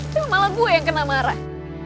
tuh malah gue yang kena marah